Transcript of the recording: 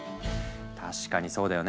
確かにそうだよね。